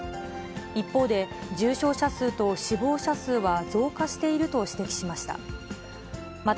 一方で、重症者数と死亡者数は増加していると指摘しました。